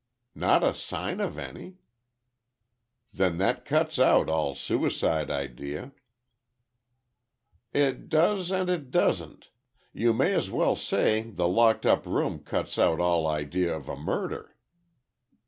"Not a sign of any—" "Then that cuts out all suicide idea." "It does and it doesn't. You may as well say the locked up room cuts out all idea of a murder."